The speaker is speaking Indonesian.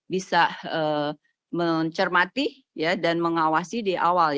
bisa mencermati dan mengawasi di awal